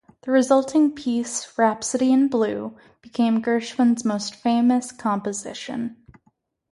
The resulting piece, "Rhapsody in Blue," became Gershwin's most famous composition.